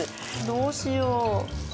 どうしよう。